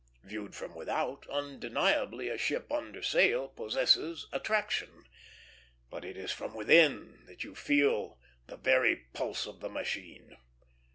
Viewed from without, undeniably a ship under sail possesses attraction; but it is from within that you feel the "very pulse of the machine."